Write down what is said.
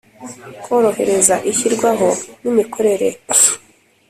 korohereza ishyirwaho n imikorere